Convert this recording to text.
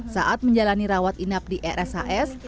saat menjalani rawat inap di rshs